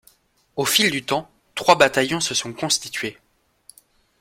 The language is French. Au fil du temps, trois bataillons sont constitués.